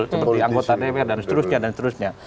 seperti anggota dpr dan seterusnya dan seterusnya